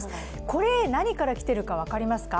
これ、何からきているか分かりますか？